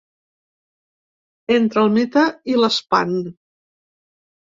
Entre el mite i l’espant.